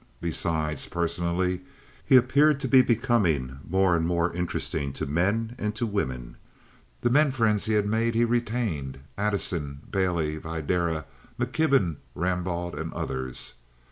Besides, personally, he appeared to be becoming more and more interesting to men and to women. The men friends he had made he retained—Addison, Bailey, Videra, McKibben, Rambaud, and others.